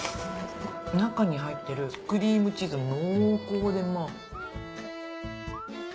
中に入ってるクリームチーズが濃厚で。